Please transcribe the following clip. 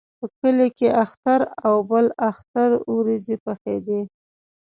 په کلي کې اختر او بل اختر وریجې پخېدې.